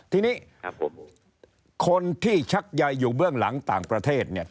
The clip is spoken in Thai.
ทีนี้คนที่ชักใยอยู่เบื้องหลังต่างประเทศ